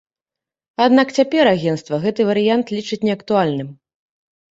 Аднак цяпер агенцтва гэты варыянт лічыць неактуальным.